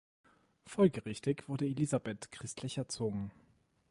Folgerichtig wurde Elisabeth christlich erzogen.